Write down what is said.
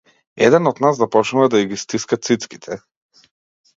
Еден од нас започнува да и ги стиска цицките.